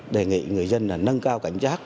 đề nghị người dân nâng cao cảnh giác